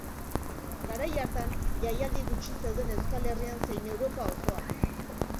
Garai hartan, jaialdi gutxi zeuden Euskal Herrian zein Europa osoan.